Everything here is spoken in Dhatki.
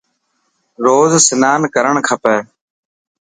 روز سنان ڪرڻ کپي.